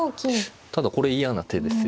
ただこれ嫌な手ですよ。